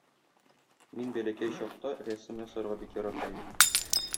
Мин бәләкәй чакта рәсем ясарга бик ярата идем.